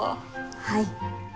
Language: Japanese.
はい。